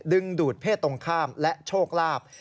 ดึงดูดเพศตรงข้ามและโชคลาภ